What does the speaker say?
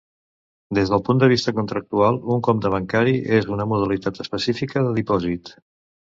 Des del punt de vista contractual, un compte bancari és una modalitat específica de dipòsit.